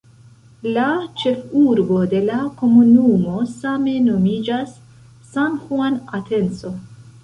La ĉefurbo de la komunumo same nomiĝas "San Juan Atenco".